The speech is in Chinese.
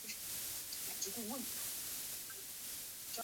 身处狱外的苏克雷则因受胁迫而必须搭救贝里克。